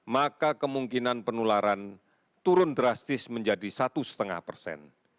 maka kemungkinan penularan turun drastis menjadi satu lima persen